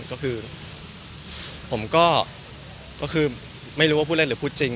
ก็คือผมก็คือไม่รู้ว่าพูดเล่นหรือพูดจริง